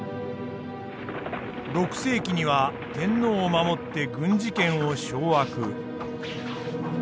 ６世紀には天皇を守って軍事権を掌握。